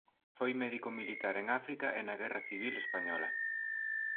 Foi médico militar en África e na guerra civil española.